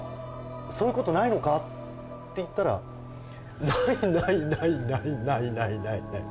「そういうことないのか？」って言ったら「ないないないないないないないない」